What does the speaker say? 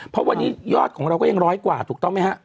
เพราะวันนี้ยอดของเราก็ยังร้อยกว่าถูกต้องไหมฮะ